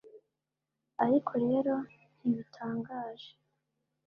ariko rero ntibitangaje